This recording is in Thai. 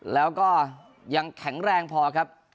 แล้วก็ยังแข็งแรงพอครับ